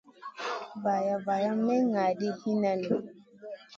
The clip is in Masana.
Vaara van may ŋa ɗi hinan nu.